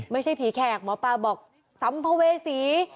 ไม่ใช่ผีแขกหมอปลาบอกสัมภเวษี